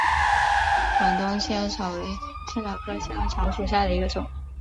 广东新耳草为茜草科新耳草属下的一个种。